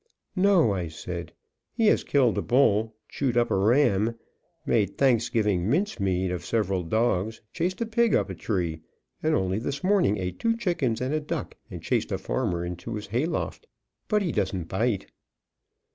"No," I said. "He has killed a bull, chewed up a ram, made Thanks giving mince meat of several dogs, chased a pig up a tree, and only this morning ate two chickens and a duck and chased a farmer into his hay loft. But he doesn't bite."